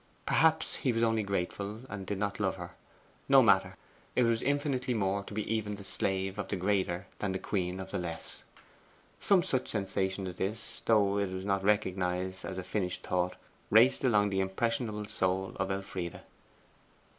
Perhaps he was only grateful, and did not love her. No matter: it was infinitely more to be even the slave of the greater than the queen of the less. Some such sensation as this, though it was not recognized as a finished thought, raced along the impressionable soul of Elfride.